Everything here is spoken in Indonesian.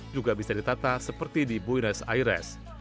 juga bisa ditata seperti di buenos aires